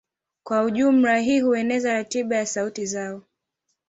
Kwa ujumla hii hueneza ratiba ya sauti zao